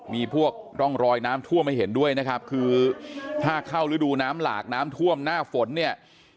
มีพวกร่องรอยน้ำท่วมให้เห็นด้วยนะครับคือถ้าเข้าฤดูน้ำหลากน้ำท่วมหน้าฝนเนี่ย